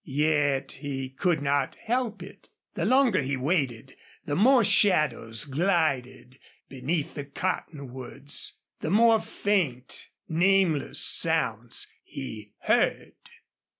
Yet he could not help it. The longer he waited the more shadows glided beneath the cottonwoods, the more faint, nameless sounds he heard.